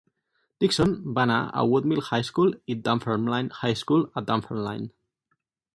Dickson va anar a Woodmill High School i Dunfermline High School a Dunfermline.